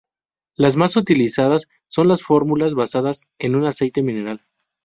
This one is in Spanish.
Las más utilizadas son las fórmulas basadas en un aceite mineral.